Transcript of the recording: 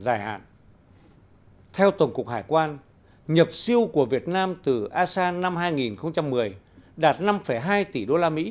dài hạn theo tổng cục hải quan nhập siêu của việt nam từ asean năm hai nghìn một mươi đạt năm hai tỷ usd